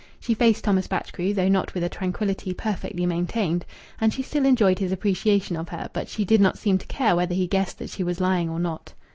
She faced Thomas Batchgrew, though not with a tranquillity perfectly maintained, and she still enjoyed his appreciation of her, but she did not seem to care whether he guessed that she was lying or not.